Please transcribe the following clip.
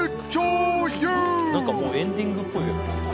なんかもうエンディングっぽいけど。